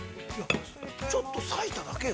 ◆ちょっと割いただけよ。